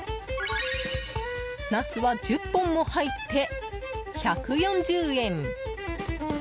ナスは１０本も入って１４０円。